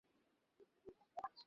Japan যুগে এটি উন্নতির শীর্ষে পৌঁছে।